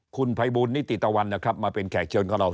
คุณภัยบูลนิติตะวันนะครับมาเป็นแขกเชิญของเรา